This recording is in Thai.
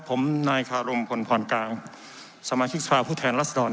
ผมไหนคะรมผลพรกรางสมาขภาพูแทนลัดสภารน